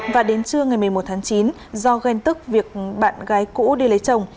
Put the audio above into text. và đến trưa ngày một mươi một tháng chín do ghen tức việc bạn gái cũ đi lấy chồng